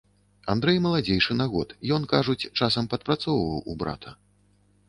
Андрэй маладзейшы на год, ён, кажуць, часам падпрацоўваў у брата.